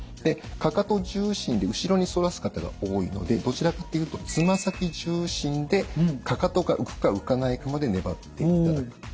かかと重心で後ろに反らす方が多いのでどちらかっていうとつま先重心でかかとが浮くか浮かないかまで粘っていただく。